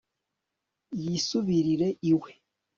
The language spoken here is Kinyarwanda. yisubirire iwe